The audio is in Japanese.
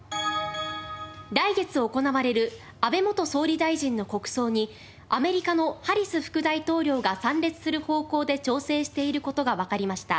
来月行われる安倍元総理大臣の国葬にアメリカのハリス副大統領が参列する方向で調整している事がわかりました。